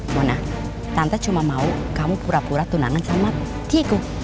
mona tante cuma mau kamu pura pura tunangan sama kiku